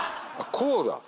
こうだ！